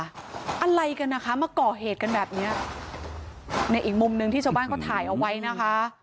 อะไรกันนะคะมาก่อเหตุกันแบบเนี้ยในอีกมุมหนึ่งที่ชาวบ้านเขาถ่ายเอาไว้นะคะ